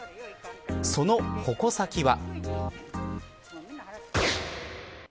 その矛先は。